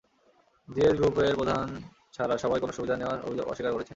GS গ্রুপের প্রধান ছাড়া সবাই কোনো সুবিধা নেওয়ার অভিযোগ অস্বীকার করেছেন।